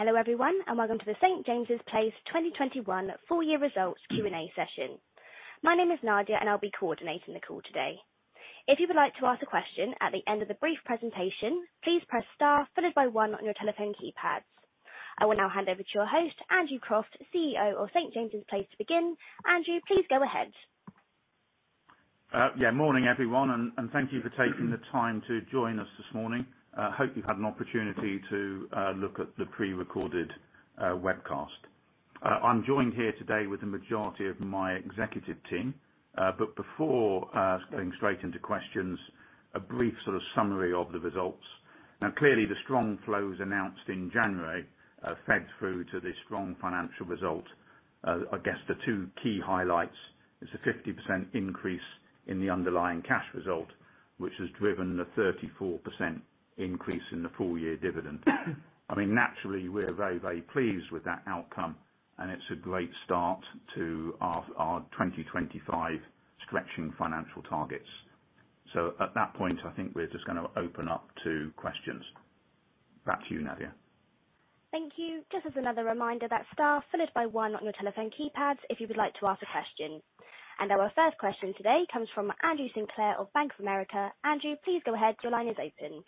Hello, everyone, and Welcome to The St. James's Place 2021 Full Year Results Q&A Session. My name is Nadia and I'll be coordinating the call today. If you would like to ask a question at the end of the brief presentation, please press star followed by one on your telephone keypads. I will now hand over to your host, Andrew Croft, CEO of St. James's Place to begin. Andrew, please go ahead. Yeah. Morning, everyone, and thank you for taking the time to join us this morning. Hope you've had an opportunity to look at the pre-recorded webcast. I'm joined here today with the majority of my executive team. Before going straight into questions, a brief sort of summary of the results. Now, clearly, the strong flows announced in January have fed through to this strong financial result. I guess the two key highlights is the 50% increase in the underlying cash result, which has driven the 34% increase in the full year dividend. I mean, naturally, we're very, very pleased with that outcome, and it's a great start to our 2025 stretching financial targets. At that point, I think we're just gonna open up to questions. Back to you, Nadia. Thank you. Just as another reminder that star followed by one on your telephone keypads if you would like to ask a question. Our first question today comes from Andrew Sinclair of Bank of America. Andrew, please go ahead. Your line is open.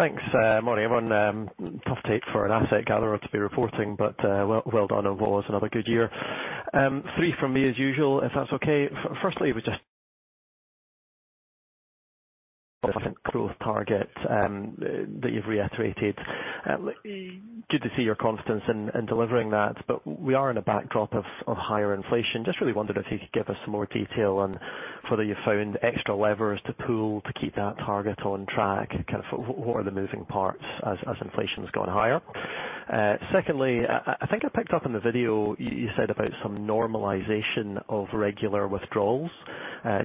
Thanks. Morning, everyone. Tough take for an asset gatherer to be reporting, but well done. It was another good year. Three from me as usual, if that's okay. Firstly, the growth target that you've reiterated. Good to see your confidence in delivering that. We are in a backdrop of higher inflation. Just really wondered if you could give us some more detail on whether you found extra levers to pull to keep that target on track. Kind of what are the moving parts as inflation's gone higher? Secondly, I think I picked up in the video you said about some normalization of regular withdrawals.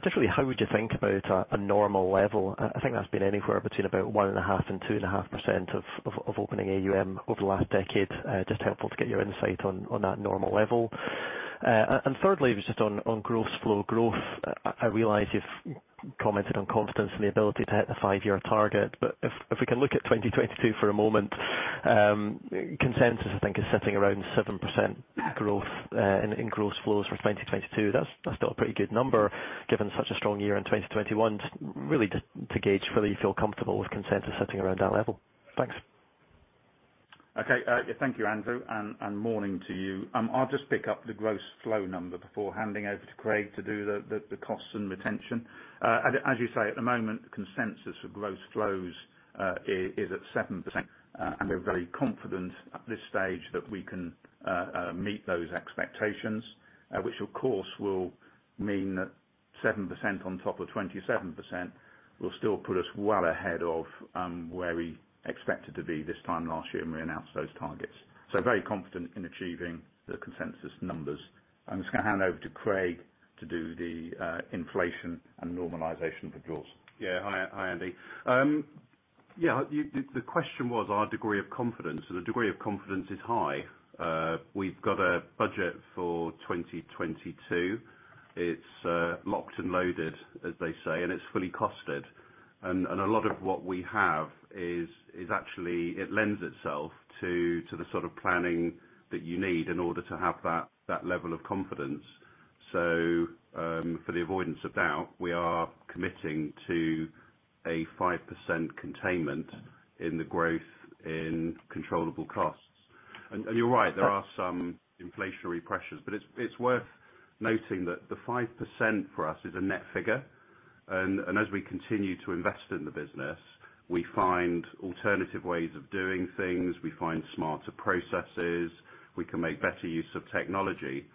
Just really how would you think about a normal level? I think that's been anywhere between about 1.5% and 2.5% of opening AUM over the last decade. It's just helpful to get your insight on that normal level. Thirdly, just on growth, flow growth. I realize you've commented on confidence and the ability to hit the five-year target, but if we can look at 2022 for a moment, consensus, I think is sitting around 7% growth in growth flows for 2022. That's still a pretty good number given such a strong year in 2021. Really just to gauge whether you feel comfortable with consensus sitting around that level. Thanks. Okay. Thank you, Andrew, and morning to you. I'll just pick up the gross flow number before handing over to Craig to do the costs and retention. As you say, at the moment, consensus for gross flows is at 7%, and we're very confident at this stage that we can meet those expectations, which of course will mean that 7% on top of 27% will still put us well ahead of where we expected to be this time last year when we announced those targets. Very confident in achieving the consensus numbers. I'm just gonna hand over to Craig to do the inflation and normalization withdrawals. Yeah. Hi, Andrew. The question was our degree of confidence. The degree of confidence is high. We've got a budget for 2022. It's locked and loaded, as they say, and it's fully costed. A lot of what we have is actually it lends itself to the sort of planning that you need in order to have that level of confidence. For the avoidance of doubt, we are committing to a 5% containment in the growth in controllable costs. You're right, there are some inflationary pressures, but it's worth noting that the 5% for us is a net figure. As we continue to invest in the business, we find alternative ways of doing things, we find smarter processes, we can make better use of technology.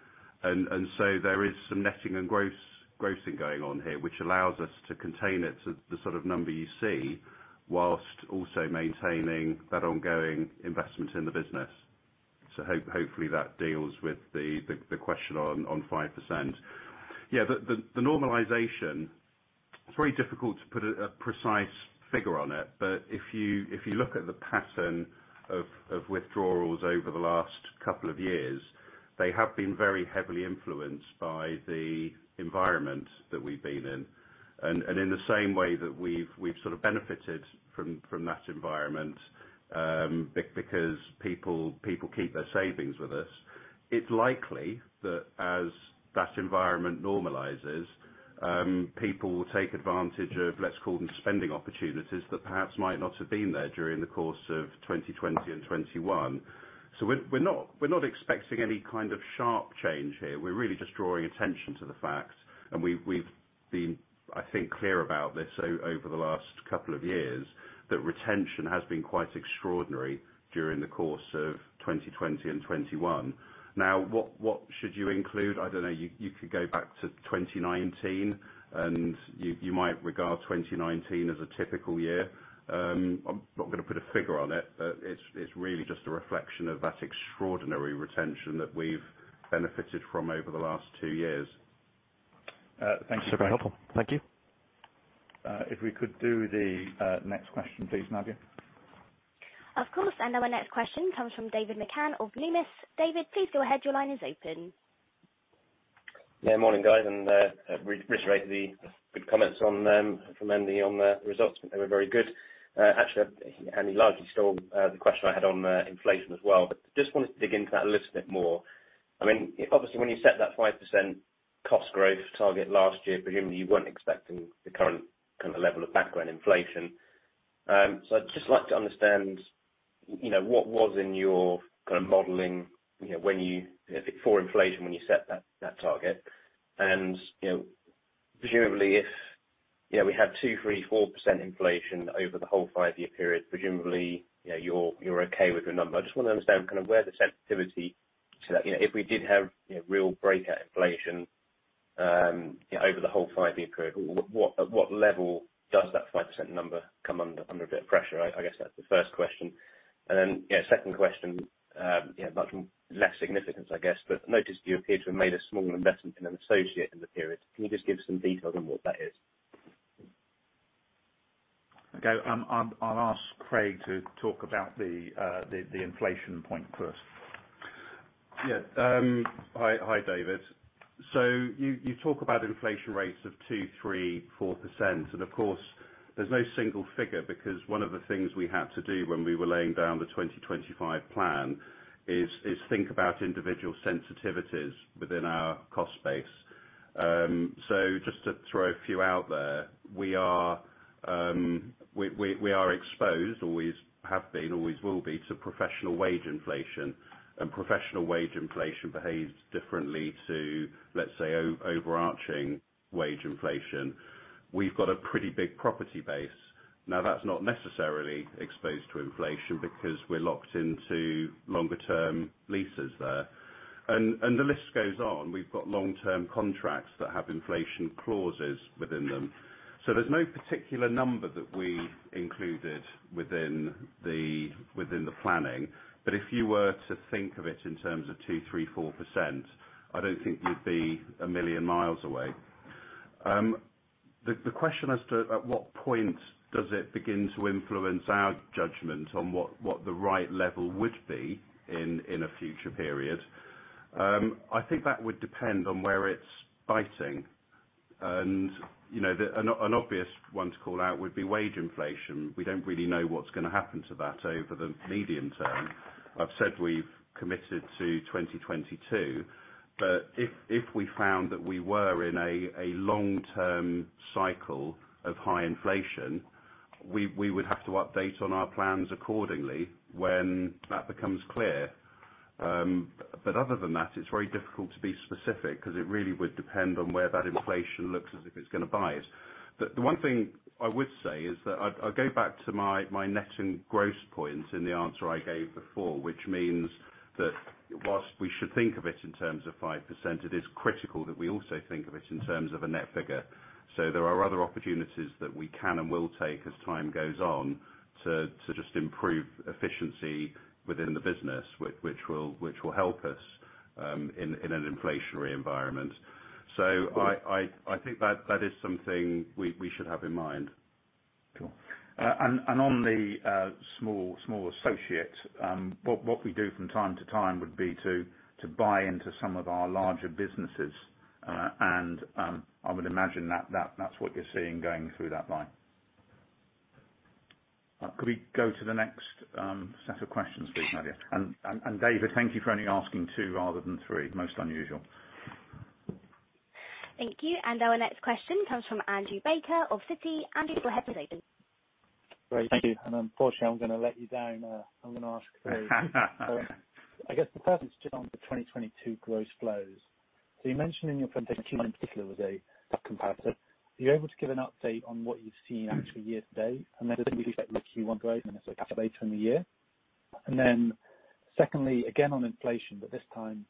There is some netting and grossing going on here, which allows us to contain it to the sort of number you see, while also maintaining that ongoing investment in the business. Hopefully that deals with the question on 5%. Yeah, the normalization, it's very difficult to put a precise figure on it. If you look at the pattern of withdrawals over the last couple of years, they have been very heavily influenced by the environment that we've been in. In the same way that we've sort of benefited from that environment, because people keep their savings with us, it's likely that as that environment normalizes, people will take advantage of, let's call them spending opportunities that perhaps might not have been there during the course of 2020 and 2021. We're not expecting any kind of sharp change here. We're really just drawing attention to the fact, and we've been, I think, clear about this over the last couple of years, that retention has been quite extraordinary during the course of 2020 and 2021. Now, what should you include? I don't know. You could go back to 2019 and you might regard 2019 as a typical year. I'm not gonna put a figure on it, but it's really just a reflection of that extraordinary retention that we've benefited from over the last two years. Thank you. Very helpful. Thank you. If we could do the next question please, Nadia. Of course. Our next question comes from David McCann of Numis. David, please go ahead. Your line is open. Morning, guys, and reiterate the good comments on them from Andy on the results. They were very good. Actually, Andy largely stole the question I had on the inflation as well, but just wanted to dig into that a little bit more. I mean, obviously, when you set that 5% cost growth target last year, presumably you weren't expecting the current kind of level of background inflation. So I'd just like to understand, you know, what was in your kind of modeling, you know, when you set that target. You know, presumably if, you know, we have 2%, 3%, 4% inflation over the whole five-year period, presumably, you know, you're okay with your number. I just wanna understand kind of where the sensitivity to that. You know, if we did have, you know, real breakout inflation, over the whole five-year period, what level does that 5% number come under a bit of pressure? I guess that's the first question. Yeah, second question, much less significance, I guess. I noticed you appear to have made a small investment in an associate in the period. Can you just give some detail on what that is? Okay. I'll ask Craig to talk about the inflation point first. Yeah. Hi, David. You talk about inflation rates of 2%, 3%, 4%. Of course, there's no single figure because one of the things we had to do when we were laying down the 2025 plan is think about individual sensitivities within our cost base. Just to throw a few out there, we are exposed, always have been, always will be, to professional wage inflation. Professional wage inflation behaves differently to, let's say, overarching wage inflation. We've got a pretty big property base. That's not necessarily exposed to inflation because we're locked into longer term leases there. The list goes on. We've got long-term contracts that have inflation clauses within them. There's no particular number that we included within the planning. If you were to think of it in terms of 2%, 3%, 4%, I don't think you'd be a million miles away. The question as to at what point does it begin to influence our judgment on what the right level would be in a future period. I think that would depend on where it's biting. An obvious one to call out would be wage inflation. We don't really know what's gonna happen to that over the medium term. I've said we've committed to 2022. If we found that we were in a long-term cycle of high inflation, we would have to update on our plans accordingly when that becomes clear. Other than that, it's very difficult to be specific 'cause it really would depend on where that inflation looks as if it's gonna bite. The one thing I would say is that I go back to my net and gross points in the answer I gave before, which means that while we should think of it in terms of 5%, it is critical that we also think of it in terms of a net figure. There are other opportunities that we can and will take as time goes on to just improve efficiency within the business, which will help us in an inflationary environment. I think that is something we should have in mind. Cool. On the small associate, what we do from time to time would be to buy into some of our larger businesses, and I would imagine that that's what you're seeing going through that line. Could we go to the next set of questions please, Nadia? David, thank you for only asking two rather than three. Most unusual. Thank you. Our next question comes from Andrew Baker of Citi. Andrew, go ahead with your question. Great. Thank you. Unfortunately, I'm gonna let you down. I'm gonna ask three. I guess the first is just on the 2022 gross flows. You mentioned in your presentation Q1 in particular was a tough comp. Are you able to give an update on what you've seen actually year to date? Do you expect more Q1 growth or necessarily later in the year? Secondly, again, on inflation, but this time,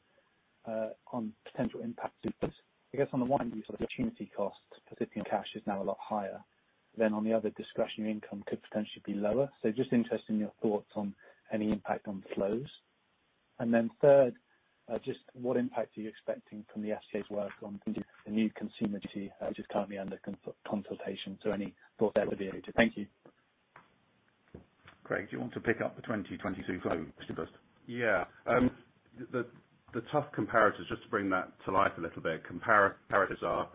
on potential impact to this. I guess on the one hand sort of opportunity costs, price of cash is now a lot higher than on the other hand discretionary income could potentially be lower. Just interested in your thoughts on any impact on flows. Third, just what impact are you expecting from the FCA's work on the new Consumer Duty, which is currently under consultation? Any thought there would be appreciated. Thank you. Craig, do you want to pick up the 2022 flow issue first? Yeah. The tough comparators, just to bring that to life a little bit. Comparators are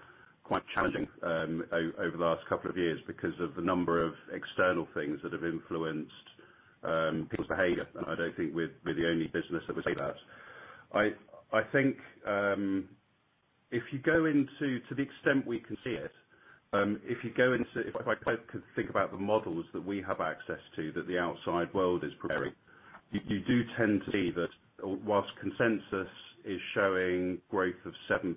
quite challenging over the last couple of years because of the number of external things that have influenced people's behavior. I don't think we're the only business that would say that. I think, to the extent we can see it, the models that we have access to that the outside world is preparing, you do tend to see that while consensus is showing growth of 7%,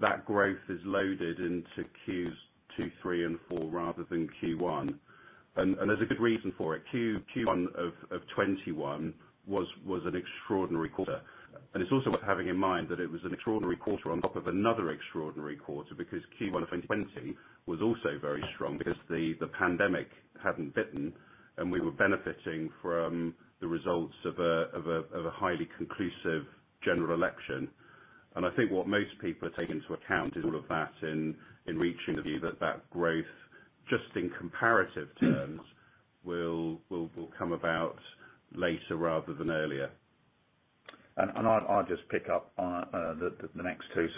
that growth is loaded into Q2, Q3, and Q4 rather than Q1. There's a good reason for it. Q1 of 2021 was an extraordinary quarter. It's also worth having in mind that it was an extraordinary quarter on top of another extraordinary quarter because Q1 of 2020 was also very strong because the pandemic hadn't bitten, and we were benefiting from the results of a highly conclusive general election. I think what most people are taking into account is all of that in reaching the view that that growth, just in comparative terms It will come about later rather than earlier. I'll just pick up on the next two.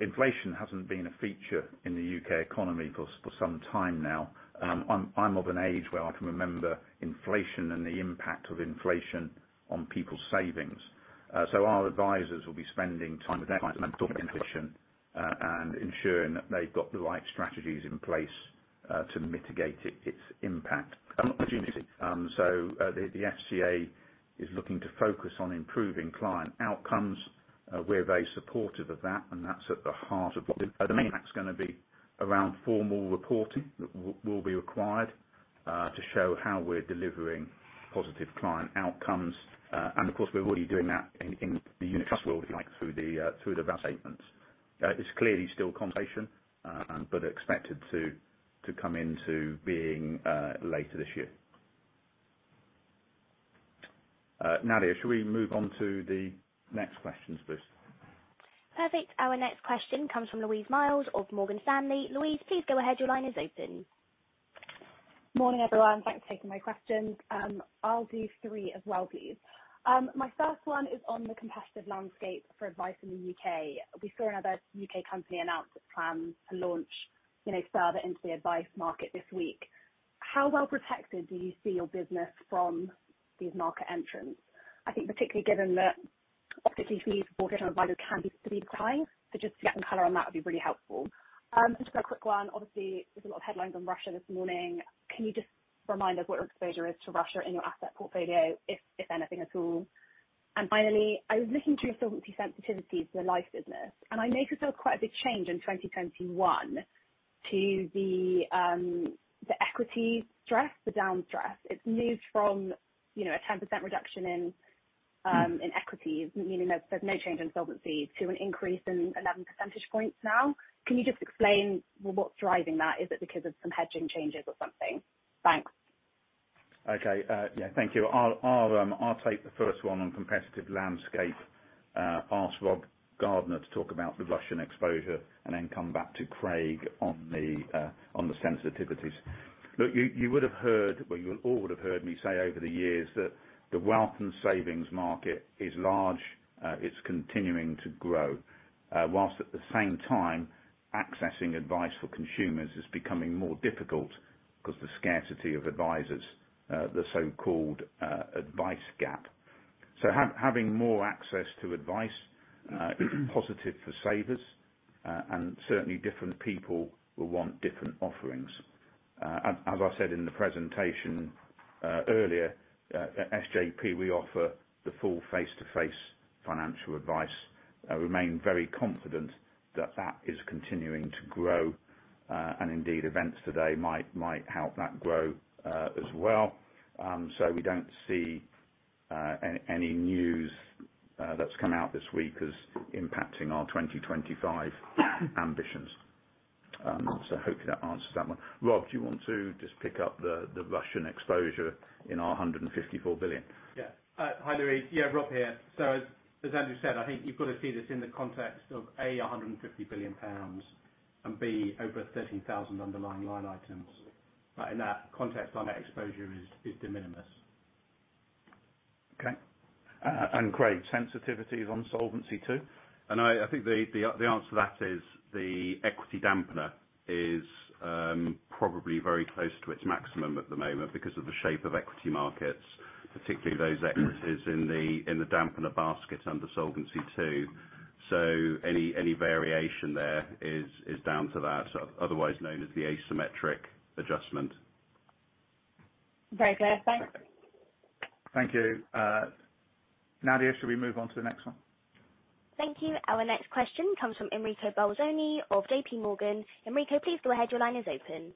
Inflation hasn't been a feature in the U.K. economy for some time now. I'm of an age where I can remember inflation and the impact of inflation on people's savings. Our advisors will be spending time with clients and ensuring that they've got the right strategies in place to mitigate its impact. The FCA is looking to focus on improving client outcomes. We're very supportive of that, and that's at the heart of what we do. It's going to be around formal reporting that will be required to show how we're delivering positive client outcomes. Of course, we're already doing that in the Unit Trust through the VAST statements. It's clearly still confidential, but expected to come into being later this year. Nadia, should we move on to the next questions, please? Perfect. Our next question comes from Larissa van Deventer of Barclays. Larissa, please go ahead. Your line is open. Morning, everyone. Thanks for taking my questions. I'll do three as well, please. My first one is on the competitive landscape for advice in the U.K. We saw another U.K. company announce its plans to launch, you know, further into the advice market this week. How well protected do you see your business from these market entrants? I think particularly given that, obviously for you, supported advisor can be freed time. So just to get some color on that would be really helpful. Just a quick one. Obviously, there's a lot of headlines on Russia this morning. Can you just remind us what your exposure is to Russia in your asset portfolio, if anything at all? Finally, I was looking through your solvency sensitivities, your life business, and I noticed quite a big change in 2021 to the equity stress, the down stress. It's moved from, you know, a 10% reduction in equities, meaning that there's no change in solvency to an increase in 11 percentage points now. Can you just explain what's driving that? Is it because of some hedging changes or something? Thanks. Okay. Yeah, thank you. I'll take the first one on competitive landscape. Ask Robert Gardner to talk about the Russian exposure and then come back to Craig on the sensitivities. Look, you would have heard, well you all would have heard me say over the years that the wealth and savings market is large. It's continuing to grow, while at the same time accessing advice for consumers is becoming more difficult 'cause the scarcity of advisors, the so-called advice gap. Having more access to advice is positive for savers. Certainly different people will want different offerings. As I said in the presentation earlier, at SJP, we offer the full face-to-face financial advice. I remain very confident that that is continuing to grow. Indeed events today might help that grow as well. We don't see any news that's come out this week as impacting our 2025 ambitions. Hopefully that answers that one. Rob, do you want to just pick up the Russian exposure in our 154 billion? Yeah. Hi, Louise. Yeah, Rob here. As Andrew said, I think you've got to see this in the context of, A, 150 billion pounds, and B, over 30,000 underlying line items. In that context, I know exposure is de minimis. Okay. Craig, sensitivities on Solvency II. I think the answer to that is the equity dampener is probably very close to its maximum at the moment because of the shape of equity markets, particularly those equities in the dampener basket under Solvency II. Any variation there is down to that, otherwise known as the asymmetric adjustment. Very clear. Thanks. Thank you. Nadia, should we move on to the next one? Thank you. Our next question comes from Enrico Bolzoni of JPMorgan. Enrico, please go ahead. Your line is open.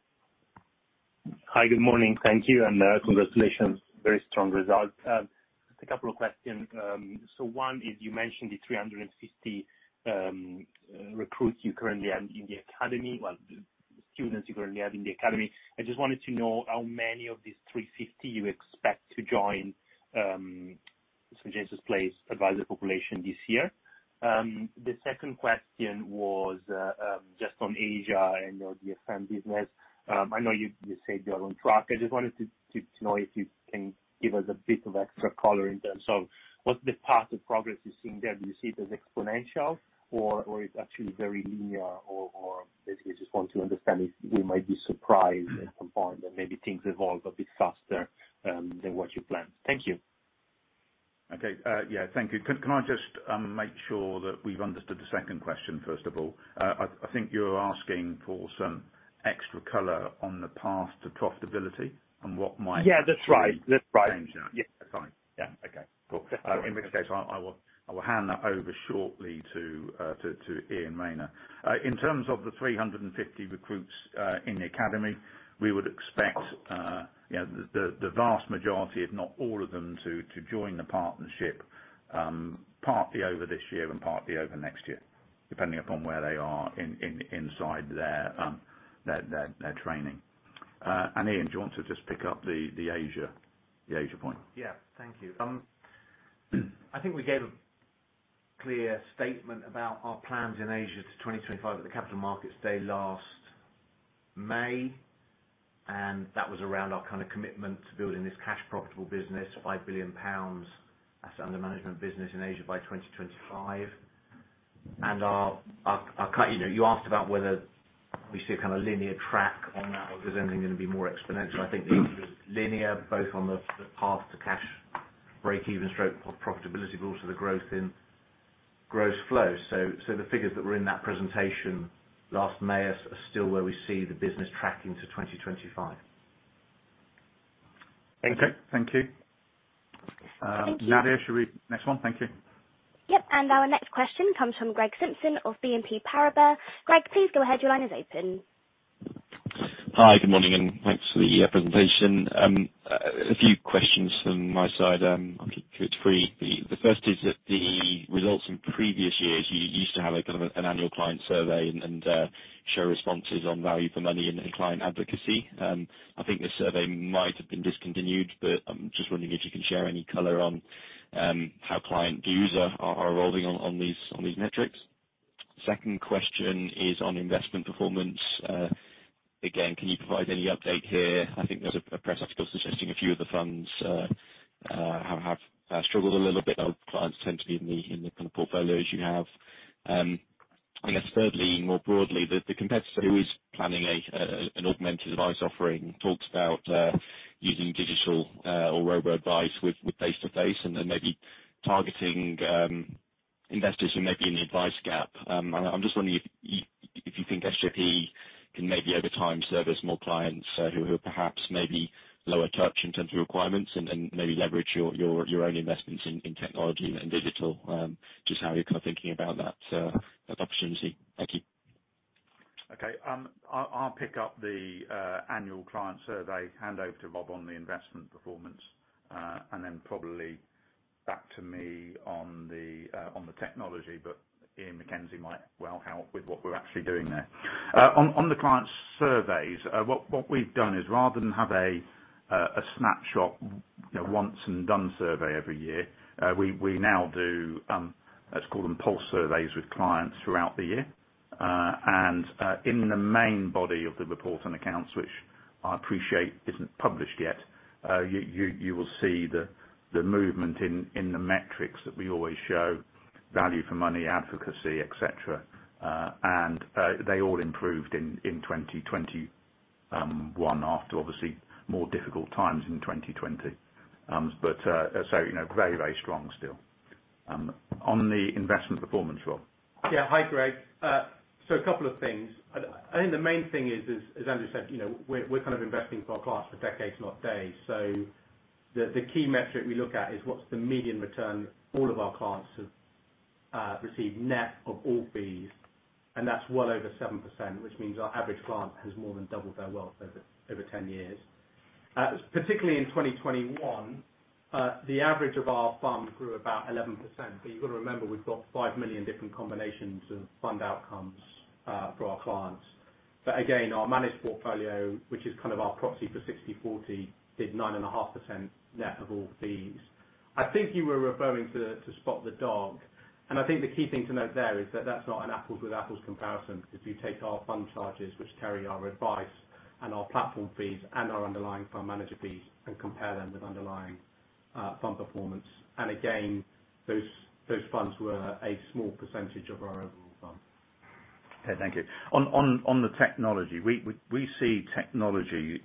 Hi. Good morning. Thank you. Congratulations. Very strong result. A couple of questions. One is, you mentioned the 350 students you currently have in the academy. I just wanted to know how many of these 350 you expect to join St. James's Place advisor population this year. The second question was just on Asia and your DSM business. I know you said you're on track. I just wanted to know if you can give us a bit of extra color in terms of what's the path of progress you're seeing there. Do you see it as exponential or it's actually very linear or basically I just want to understand if we might be surprised at some point that maybe things evolve a bit faster than what you planned. Thank you. Okay. Yeah. Thank you. Can I just make sure that we've understood the second question, first of all? I think you're asking for some extra color on the path to profitability and what might- Yeah, that's right. That's right. Change that. Yeah. That's fine. Yeah. Okay, cool. That's right. In which case, I will hand that over shortly to Iain Rayner. In terms of the 350 recruits in the academy, we would expect, you know, the vast majority, if not all of them, to join the partnership, partly over this year and partly over next year, depending upon where they are inside their training. Iain, do you want to just pick up the Asia point? Yeah. Thank you. I think we gave a clear statement about our plans in Asia to 2025 at the Capital Markets Day last May, and that was around our kind of commitment to building this cash profitable business, 5 billion pounds assets under management business in Asia by 2025. Our kind of... You know, you asked about whether we see a kind of linear track on that or if there's anything gonna be more exponential. I think the answer is linear, both on the path to cash breakeven stroke profitability but also the growth in gross flow. The figures that were in that presentation last May are still where we see the business tracking to 2025. Thank you. Okay. Thank you. Thank you. Nadia, should we? Next one. Thank you. Yep. Our next question comes from Greg Simpson of BNP Paribas. Greg, please go ahead. Your line is open. Hi, good morning, and thanks for the presentation. A few questions from my side. I'll keep it to three. The first is that the results in previous years, you used to have a kind of an annual client survey and show responses on value for money and client advocacy. I think the survey might have been discontinued, but I'm just wondering if you can share any color on how client views are evolving on these metrics. Second question is on investment performance. Again, can you provide any update here? I think there's a press article suggesting a few of the funds have struggled a little bit. Our clients tend to be in the kind of portfolios you have. I guess thirdly, more broadly, the competitor who is planning an augmented advice offering talks about using digital or robo-advice with face-to-face and then maybe targeting investors who may be in the advice gap. I'm just wondering if you think SJP can maybe over time service more clients who are perhaps maybe lower touch in terms of requirements and maybe leverage your own investments in technology and digital. Just how you're kind of thinking about that opportunity. Thank you. Okay. I'll pick up the annual client survey, hand over to Rob on the investment performance, and then probably back to me on the technology. Iain Mackenzie might well help with what we're actually doing there. On the client surveys, what we've done is rather than have a snapshot, you know, once and done survey every year, we now do, let's call them pulse surveys with clients throughout the year. In the main body of the report and accounts, which I appreciate isn't published yet, you will see the movement in the metrics that we always show value for money, advocacy, et cetera. They all improved in 2021 after obviously more difficult times in 2020.you know, very strong still. On the investment performance, Robert. Yeah. Hi, Craig. A couple of things. I think the main thing is as Andrew said, you know, we're kind of investing for our clients for decades, not days. The key metric we look at is what's the median return all of our clients have received net of all fees, and that's well over 7%, which means our average client has more than doubled their wealth over 10 years. Particularly in 2021, the average of our fund grew about 11%, but you've got to remember we've got 5 million different combinations of fund outcomes for our clients. Again, our managed portfolio, which is kind of our proxy for 60/40, did 9.5% net of all fees. I think you were referring to Spot the Dog, and I think the key thing to note there is that that's not an apples to apples comparison because you take our fund charges, which carry our advice and our platform fees and our underlying fund manager fees and compare them with underlying fund performance. Again, those funds were a small percentage of our overall fund. Okay, thank you. On the technology, we see technology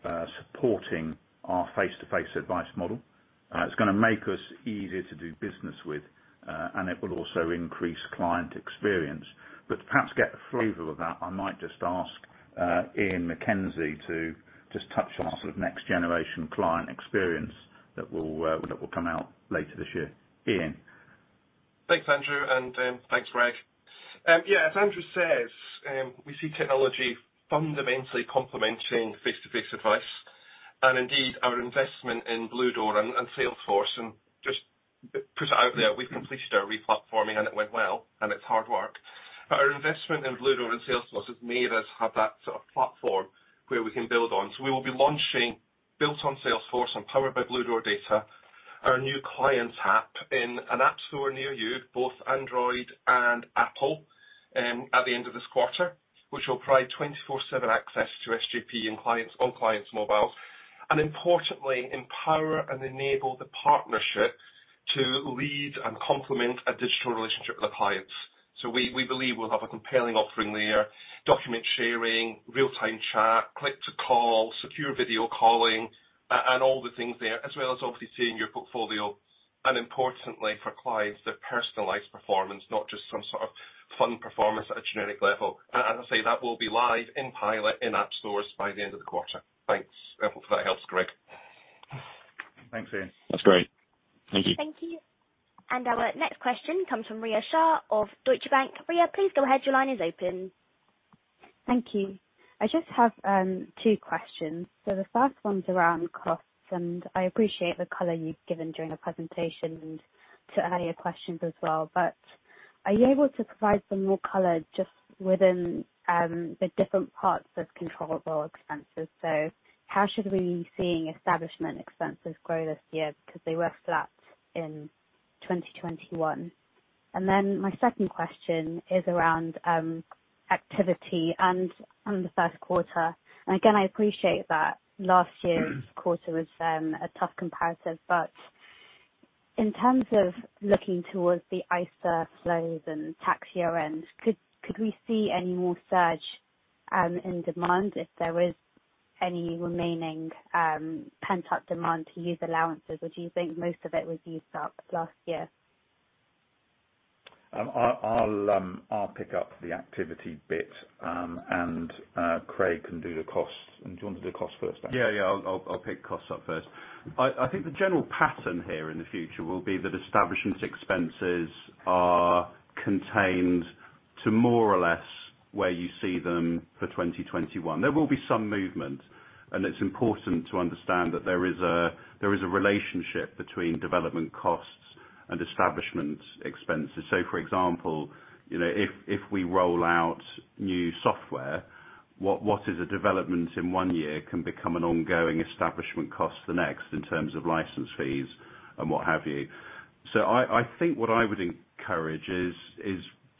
supporting our face-to-face advice model. It's gonna make us easier to do business with, and it will also increase client experience. To perhaps get a flavor of that, I might just ask Iain Mackenzie to just touch on our sort of next generation client experience that will come out later this year. Iain. Thanks, Andrew, and thanks, Greg. Yeah, as Andrew says, we see technology fundamentally complementing face-to-face advice. Indeed, our investment in Bluedoor and Salesforce, and just to put it out there, we've completed our re-platforming and it went well, and it's hard work. Our investment in Bluedoor and Salesforce has made us have that sort of platform where we can build on. We will be launching, built on Salesforce and powered by Bluedoor data, our new clients app in an app store near you, both Android and Apple, at the end of this quarter, which will provide 24/7 access to SJP and clients on clients' mobiles, and importantly empower and enable the partnership to lead and complement a digital relationship with the clients. We believe we'll have a compelling offering there. Document sharing, real-time chat, click to call, secure video calling, and all the things there, as well as obviously seeing your portfolio, and importantly for clients, their personalized performance, not just some sort of fund performance at a generic level. I say that will be live in pilot in app stores by the end of the quarter. Thanks. I hope that helps, Greg. Thanks, Iain. That's great. Thank you. Thank you. Our next question comes from Riya Shah of Deutsche Bank. Riya, please go ahead. Your line is open. Thank you. I just have two questions. The first one's around costs, and I appreciate the color you've given during the presentation and to earlier questions as well. Are you able to provide some more color just within the different parts of controllable expenses? How should we be seeing establishment expenses grow this year? Because they were flat in 2021. My second question is around activity and the first quarter. I appreciate that last year's quarter was a tough comparative, but in terms of looking towards the ISA flows and tax year-end, could we see any more surge in demand if there was any remaining pent-up demand to use allowances? Do you think most of it was used up last year? I'll pick up the activity bit, and Craig can do the costs. Do you want to do the cost first, Craig? Yeah. I'll pick costs up first. I think the general pattern here in the future will be that establishment expenses are contained to more or less where you see them for 2021. There will be some movement, and it's important to understand that there is a relationship between development costs and establishment expenses. For example, you know, if we roll out new software, what is a development in one year can become an ongoing establishment cost the next in terms of license fees and what have you. I think what I would encourage is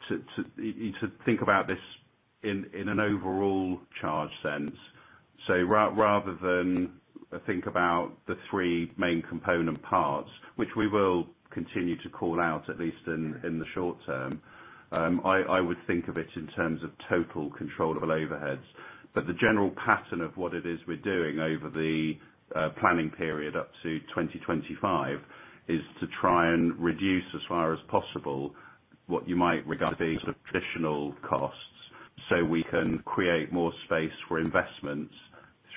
to think about this in an overall sense. Rather than think about the three main component parts, which we will continue to call out at least in the short term, I would think of it in terms of total controllable overheads. The general pattern of what it is we're doing over the planning period up to 2025 is to try and reduce as far as possible what you might regard as additional costs, so we can create more space for investments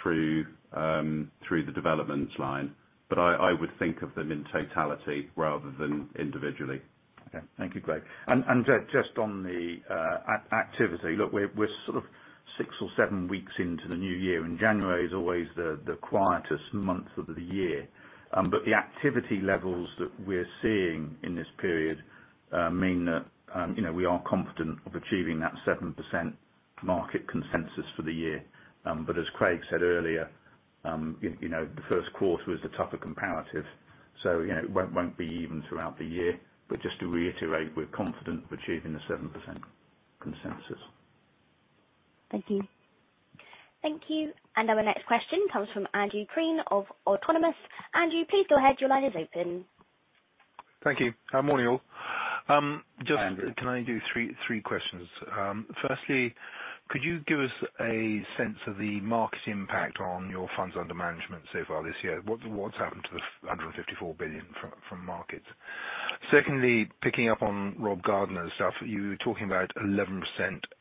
through the development line. I would think of them in totality rather than individually. Okay. Thank you, Craig. Just on the activity, look, we're sort of six or seven weeks into the new year, and January is always the quietest month of the year. The activity levels that we're seeing in this period mean that, you know, we are confident of achieving that 7% market consensus for the year. As Craig said earlier, you know, the Q1 is the tougher comparative, so you know, it won't be even throughout the year. Just to reiterate, we're confident of achieving the 7% consensus. Thank you. Thank you. Our next question comes from Andrew Crean of Autonomous. Andrew, please go ahead. Your line is open. Thank you. Morning, all. Hi, Andrew. Can I do three questions? Firstly, could you give us a sense of the market impact on your funds under management so far this year? What's happened to the 154 billion from markets? Secondly, picking up on Robert Gardner's stuff, you were talking about 11%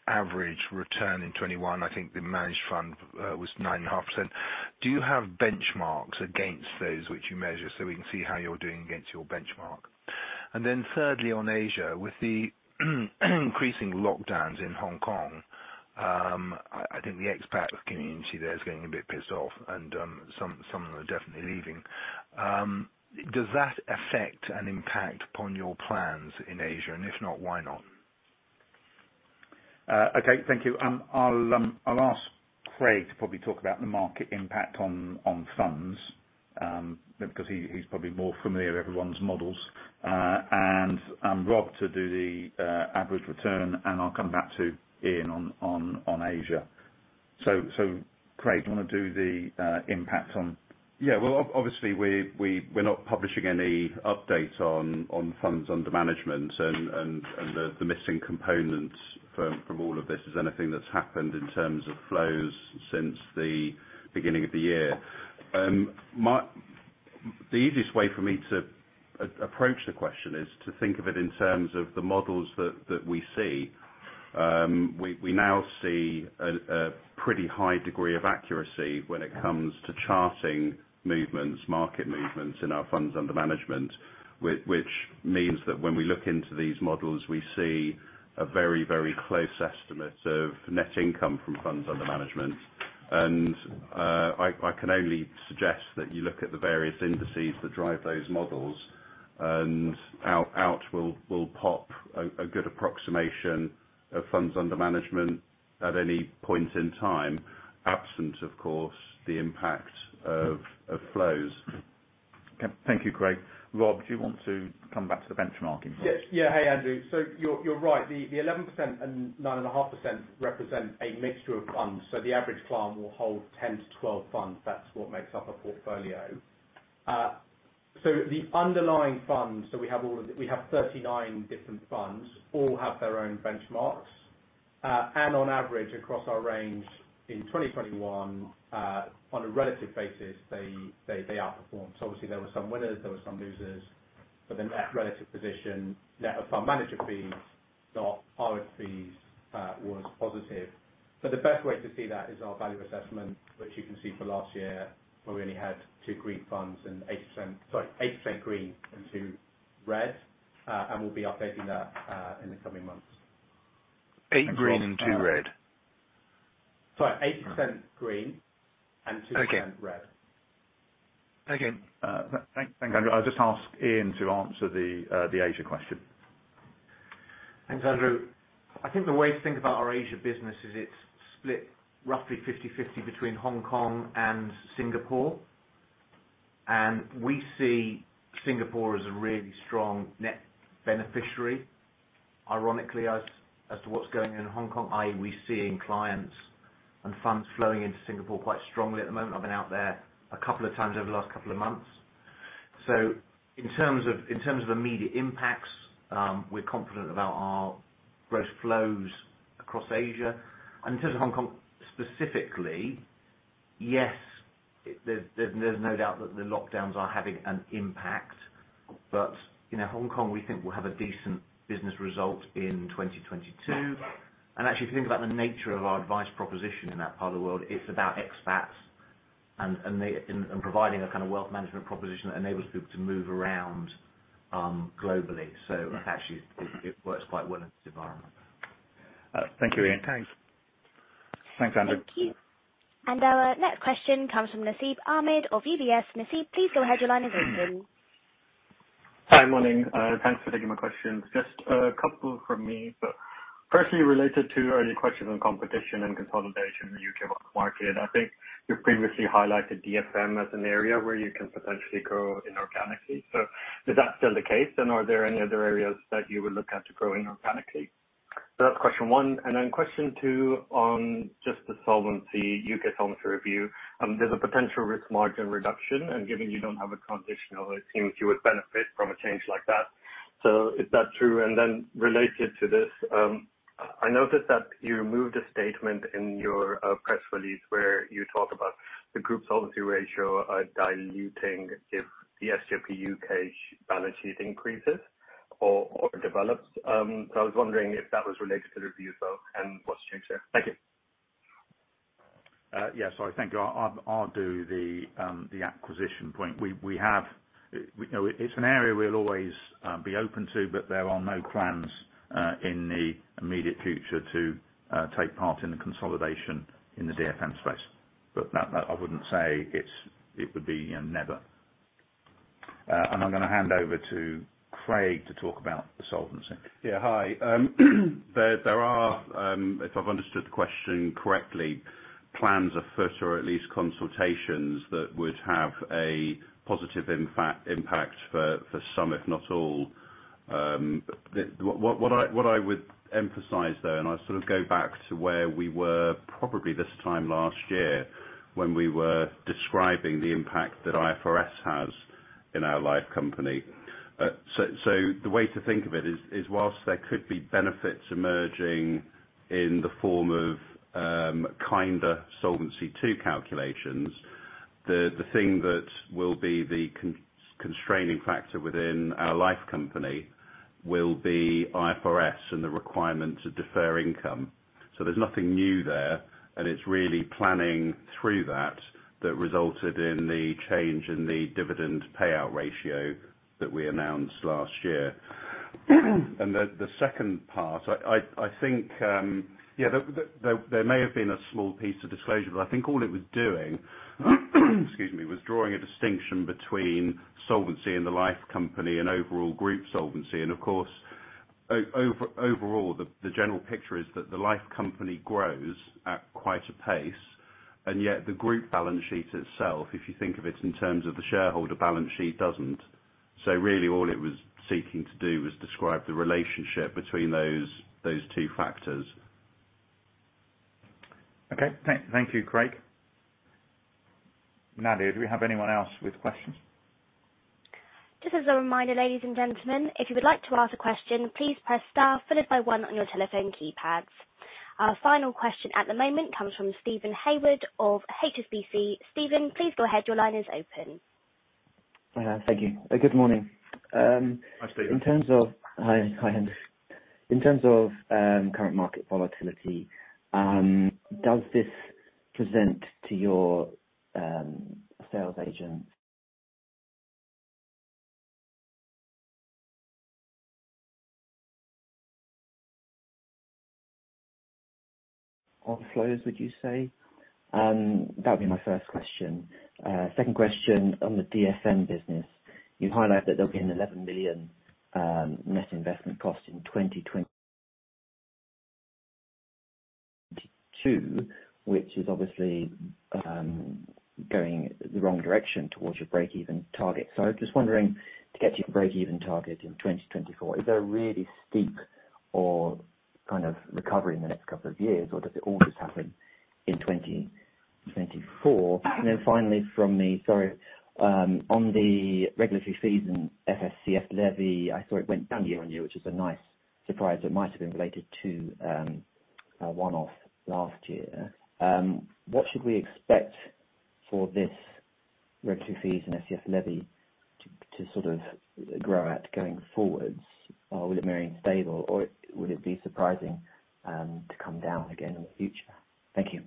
average return in 2021. I think the managed fund was 9.5%. Do you have benchmarks against those which you measure so we can see how you're doing against your benchmark? Thirdly, on Asia, with the increasing lockdowns in Hong Kong, I think the expat community there is getting a bit pissed off and some are definitely leaving. Does that have an impact upon your plans in Asia? And if not, why not? Okay, thank you. I'll ask Craig to probably talk about the market impact on funds, because he's probably more familiar with everyone's models. Robert to do the average return, and I'll come back to Iain on Asia. Craig, do you wanna do the impact on- Yeah. Well, obviously, we're not publishing any update on funds under management, and the missing component from all of this is anything that's happened in terms of flows since the beginning of the year. The easiest way for me to approach the question is to think of it in terms of the models that we see. We now see a pretty high degree of accuracy when it comes to charting movements, market movements in our funds under management, which means that when we look into these models, we see a very close estimate of net income from funds under management. I can only suggest that you look at the various indices that drive those models, and out will pop a good approximation of funds under management at any point in time, absent, of course, the impact of flows. Thank you, Craig. Rob, do you want to come back to the benchmarking? Hey, Andrew. You're right. The 11% and 9.5% represent a mixture of funds. The average client will hold 10 to 12 funds. That's what makes up a portfolio. The underlying funds, we have 39 different funds, all have their own benchmarks. On average, across our range in 2021, on a relative basis, they outperformed. Obviously there were some winners, there were some losers. The net relative position net of our manager fees, not RF fees, was positive. The best way to see that is our value assessment, which you can see for last year, where we only had 8% green and 2% red. We'll be updating that in the coming months. Eight green and two red? Sorry, 8% green and 2% red. Okay. Thanks, Andrew. I'll just ask Iain to answer the Asia question. Thanks, Andrew. I think the way to think about our Asia business is it's split roughly 50/50 between Hong Kong and Singapore. We see Singapore as a really strong net beneficiary. Ironically, as to what's going on in Hong Kong, i.e., we're seeing clients and funds flowing into Singapore quite strongly at the moment. I've been out there a couple of times over the last couple of months. In terms of immediate impacts, we're confident about our gross flows across Asia. In terms of Hong Kong specifically, yes, there's no doubt that the lockdowns are having an impact. You know, Hong Kong, we think will have a decent business result in 2022. Actually, if you think about the nature of our advice proposition in that part of the world, it's about expats and providing a kind of wealth management proposition that enables people to move around globally. It actually works quite well in this environment. Thank you, Iain. Thanks. Thanks, Andrew. Thank you. Our next question comes from Nasib Ahmed of UBS. Nasib, please go ahead. Your line is open. Hi. Morning. Thanks for taking my questions. Just a couple from me. Firstly, related to earlier questions on competition and consolidation in the U.K. market. I think you previously highlighted DFM as an area where you can potentially grow inorganically. Is that still the case? Are there any other areas that you would look at to grow inorganically? That's question one. Question two, on just the solvency, U.K. solvency review. There's a potential risk margin reduction, and given you don't have a transitional, it seems you would benefit from a change like that. Is that true? Related to this, I noticed that you removed a statement in your press release where you talk about the group solvency ratio diluting if the SGPU case balance sheet increases or develops. I was wondering if that was related to the review though and what's changed there. Thank you. I think I'll do the acquisition point. We have... You know, it's an area we'll always be open to, but there are no plans in the immediate future to take part in the consolidation in the DFM space. That I wouldn't say it would be a never. I'm gonna hand over to Craig to talk about the solvency. Yeah. Hi. There are, if I've understood the question correctly, plans afoot or at least consultations that would have a positive impact for some, if not all. What I would emphasize though, and I sort of go back to where we were probably this time last year when we were describing the impact that IFRS has in our life company. The way to think of it is whilst there could be benefits emerging in the form of kinder Solvency II calculations, the thing that will be the constraining factor within our life company will be IFRS and the requirement to defer income. There's nothing new there, and it's really planning through that resulted in the change in the dividend payout ratio that we announced last year. The second part, I think, there may have been a small piece of disclosure, but I think all it was doing, excuse me, was drawing a distinction between solvency and the life company and overall group solvency. Of course, overall, the general picture is that the life company grows at quite a pace, and yet the group balance sheet itself, if you think of it in terms of the shareholder balance sheet, doesn't. Really all it was seeking to do was describe the relationship between those two factors. Okay. Thank you, Craig. Nadia, do we have anyone else with questions? Just as a reminder, ladies and gentlemen, if you would like to ask a question, please press star followed by one on your telephone keypads. Our final question at the moment comes from Stephen Haywood of HSBC. Stephen, please go ahead. Your line is open. Thank you. Good morning. Hi, Stephen. Hi. Hi, Andrew. In terms of current market volatility, does this present to your sales agents outflows, would you say? That would be my first question. Second question on the DFM business. You've highlighted there'll be a 11 million net investment cost in 2022, which is obviously going the wrong direction towards your breakeven target. Just wondering, to get to your breakeven target in 2024, is there a really steep or kind of recovery in the next couple of years, or does it all just happen in 2024? Finally from me, sorry, on the regulatory fees and FSCS levy, I saw it went down year-on-year, which is a nice surprise that might have been related to a one-off last year. What should we expect for this regulatory fees and FSCS levy to sort of grow at going forwards? Will it remain stable, or would it be surprising to come down again in the future? Thank you.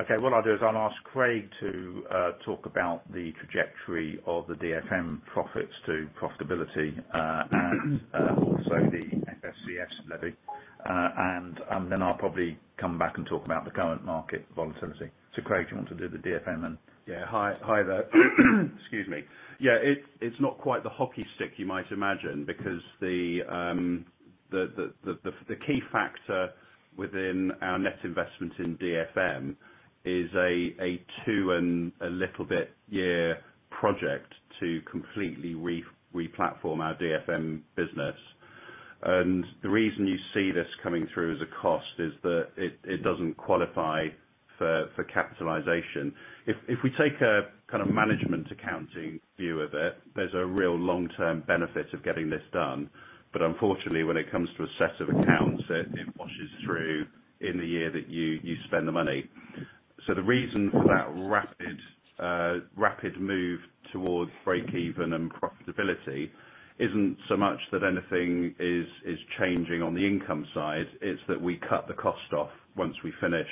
Okay. What I'll do is I'll ask Craig to talk about the trajectory of the DFM profits to profitability, and also the FSCS levy. I'll probably come back and talk about the current market volatility. Craig, do you want to do the DFM then? It's not quite the hockey stick you might imagine because the key factor within our net investment in DFM is a two and a little bit year project to completely replatform our DFM business. The reason you see this coming through as a cost is that it doesn't qualify for capitalization. If we take a kind of management accounting view of it, there's a real long-term benefit of getting this done. Unfortunately, when it comes to a set of accounts, it washes through in the year that you spend the money. The reason for that rapid move towards break-even and profitability isn't so much that anything is changing on the income side, it's that we cut the cost off once we finish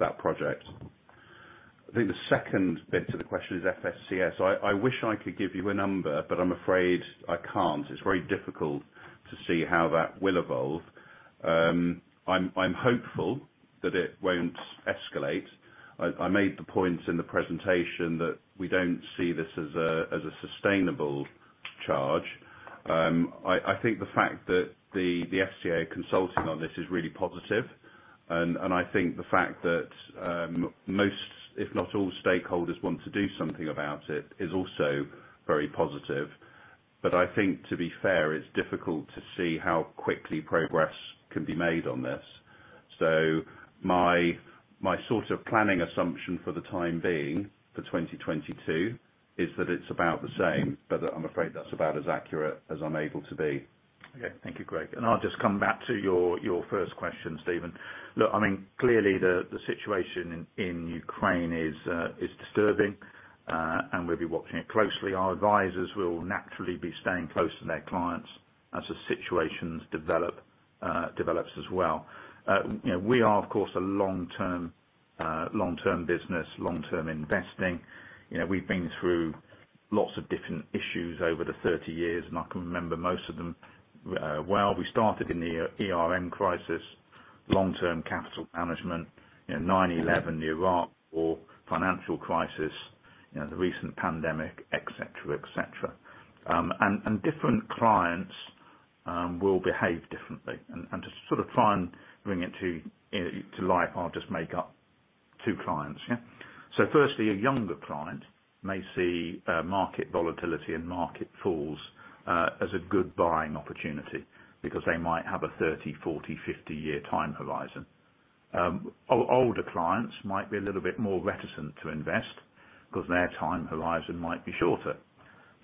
that project. I think the second bit to the question is FSCS. I wish I could give you a number, but I'm afraid I can't. It's very difficult to see how that will evolve. I'm hopeful that it won't escalate. I made the point in the presentation that we don't see this as a sustainable charge. I think the fact that the FCA consulting on this is really positive. I think the fact that most, if not all stakeholders want to do something about it is also very positive. I think to be fair, it's difficult to see how quickly progress can be made on this. My sort of planning assumption for the time being, for 2022, is that it's about the same, but I'm afraid that's about as accurate as I'm able to be. Okay. Thank you, Craig. I'll just come back to your first question, Stephen. Look, I mean, clearly the situation in Ukraine is disturbing, and we'll be watching it closely. Our advisors will naturally be staying close to their clients as the situation develops as well. You know, we are of course a long-term business, long-term investing. You know, we've been through lots of different issues over the 30 years, and I can remember most of them well. We started in the ERM crisis, long-term capital management, you know, 9/11, Iraq War, financial crisis, you know, the recent pandemic, et cetera, et cetera. Different clients will behave differently. To sort of try and bring it to life, I'll just make up two clients, yeah? Firstly, a younger client may see market volatility and market falls as a good buying opportunity because they might have a 30, 40, 50-year time horizon. Older clients might be a little bit more reticent to invest 'cause their time horizon might be shorter.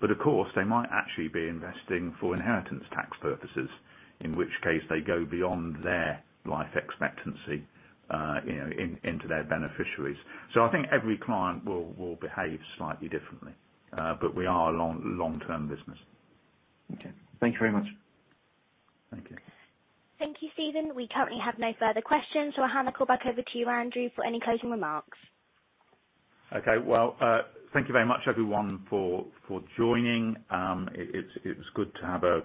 Of course, they might actually be investing for inheritance tax purposes, in which case they go beyond their life expectancy, you know, into their beneficiaries. I think every client will behave slightly differently. We are a long, long-term business. Okay. Thank you very much. Thank you. Thank you, Stephen. We currently have no further questions, so I'll hand the call back over to you, Andrew, for any closing remarks. Okay. Well, thank you very much everyone for joining. It's good to have a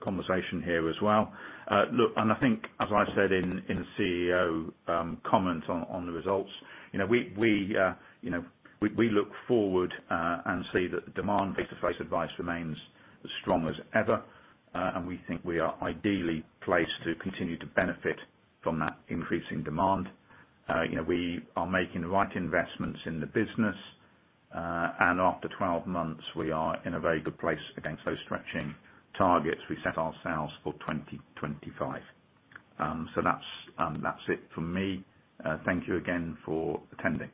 conversation here as well. Look, I think as I said in the CEO comment on the results, you know, we look forward and see that the demand face-to-face advice remains as strong as ever. We think we are ideally placed to continue to benefit from that increasing demand. You know, we are making the right investments in the business. After 12 months, we are in a very good place against those stretching targets we set ourselves for 2025. That's it from me. Thank you again for attending.